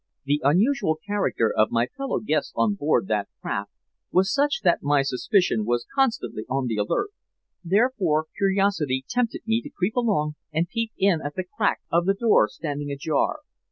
"The unusual character of my fellow guests on board that craft was such that my suspicion was constantly on the alert, therefore curiosity tempted me to creep along and peep in at the crack of the door standing ajar.